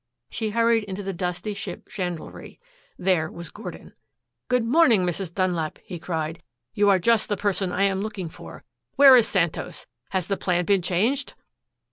She hurried into the dusty ship chandlery. There was Gordon. "Good morning, Mrs. Dunlap," he cried. "You are just the person I am looking for. Where is Santos? Has the plan been changed?"